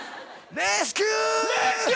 レスキュー！！